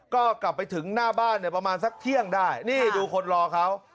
ก็กลับไปถึงหน้าบ้านเนี่ยประมาณสักเที่ยงได้นี่ดูคนรอเขา